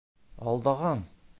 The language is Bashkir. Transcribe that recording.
Алдаған!